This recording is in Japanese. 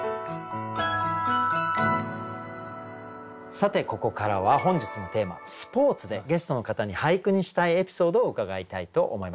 さてここからは本日のテーマ「スポーツ」でゲストの方に俳句にしたいエピソードを伺いたいと思います。